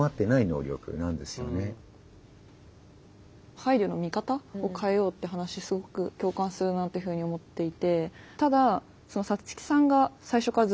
配慮の見方を変えようって話すごく共感するなというふうに思っていて。